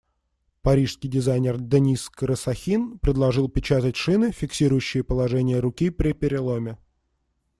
Парижский дизайнер Дениз Карасахин предложил печатать шины, фиксирующие положение руки при переломе.